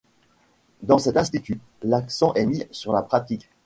Dans cet institut, l'accent est mis sur la pratique.